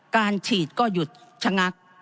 การฉีดก็หยุดชะงัก